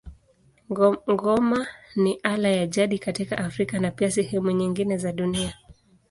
Ngoma ni ala ya jadi katika Afrika na pia sehemu nyingine za dunia.